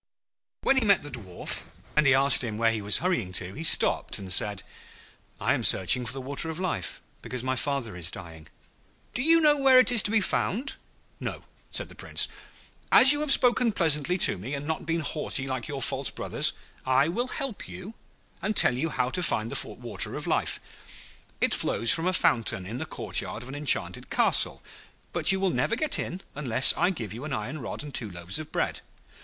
When he met the Dwarf, and he asked him where he was hurrying to, he stopped and said, 'I am searching for the Water of Life, because my father is dying.' 'Do you know where it is to be found?' 'No,' said the Prince. 'As you have spoken pleasantly to me, and not been haughty like your false brothers, I will help you and tell you how to find the Water of Life. It flows from a fountain in the courtyard of an enchanted castle; but you will never get in unless I give you an iron rod and two loaves of bread.